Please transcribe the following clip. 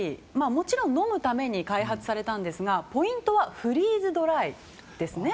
もちろん、飲むために開発されたんですが、ポイントはフリーズドライですね。